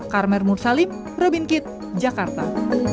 karmair mursalim robin kit jakarta